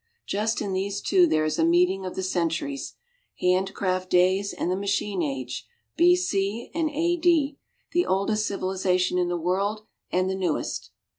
Just in these two there is a meeting of the centuries, Handcraft Days and the Machine Age B. C. and A. D. the oldest civilization in the world and the newest.